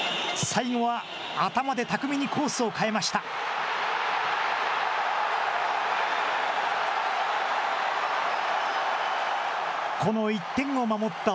最後は頭で巧みにコースを変えました。